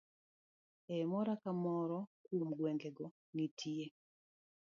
E moro ka moro kuom gwenge go, nitie